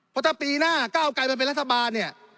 เพราะถ้าปีหน้าก็เอาไกลมาเป็นรัฐบาล